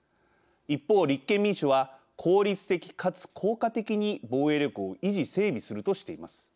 一方立憲民主は効率的かつ効果的に防衛力を維持・整備するとしています。